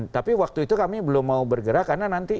tapi waktu itu kami belum mau bergerak karena nanti